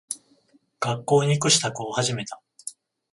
学校に行く支度を始めた。